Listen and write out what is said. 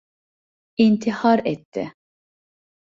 İntihar etti.